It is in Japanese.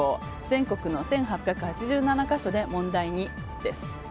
全国の１８８７か所で問題に、です。